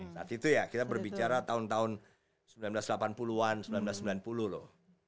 saat itu ya kita berbicara tahun tahun seribu sembilan ratus delapan puluh an seribu sembilan ratus sembilan puluh loh